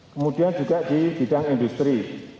kemudian juga di bidang industri